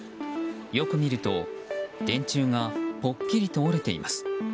よく見ると、電柱がぽっきりと折れています。